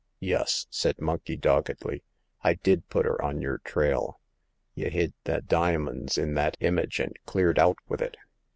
*'Yus," said Monkey, doggedly, I did put 'er on yer trail. Y' hid the dimins in that image, and cleared out with it.